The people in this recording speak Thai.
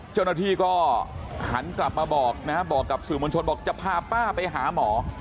เจ้าหน้าที่ก็หันกลับมาบอกนะฮะบอกกับสื่อมวลชนบอกจะพาป้าไปหาหมอ